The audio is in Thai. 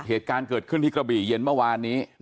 เหตุการณ์เกิดขึ้นที่กระบี่เย็นเมื่อวานนี้